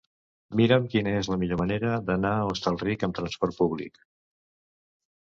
Mira'm quina és la millor manera d'anar a Hostalric amb trasport públic.